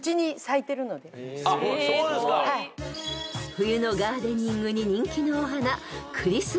［冬のガーデニングに人気のお花］